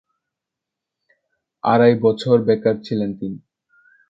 আড়াই বছর বেকার ছিলেন তিনি।